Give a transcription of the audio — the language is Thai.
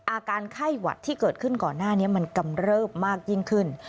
อาการไข้หวัดที่เกิดขึ้นก่อนหน้านี้มันกำเริบมากยิ่งขึ้น